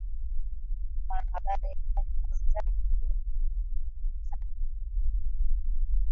Mwanahabari alifanya kazi yake vizuri sana